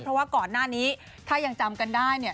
เพราะว่าก่อนหน้านี้ถ้ายังจำกันได้เนี่ย